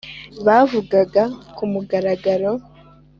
bavugaga ku mugaragaro